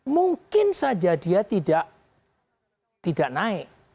mungkin saja dia tidak naik